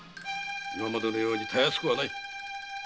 今までのようにたやすくはない